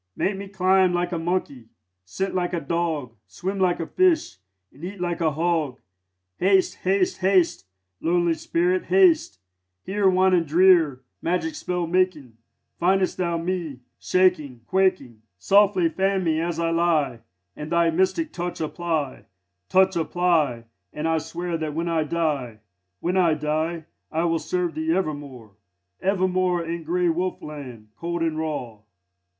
Make me climb like a monkey, scent like a dog, Swim like a fish, and eat like a hog. Haste, haste, haste, lonely spirit, haste! Here, wan and drear, magic spell making, Findest thou me shaking, quaking. Softly fan me as I lie, And thy mystic touch apply Touch apply, and I swear that when I die, When I die, I will serve thee evermore, Evermore, in grey wolf land, cold and raw."